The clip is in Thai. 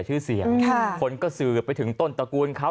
ชื่อเสียงคนก็สืบไปถึงต้นตระกูลเขา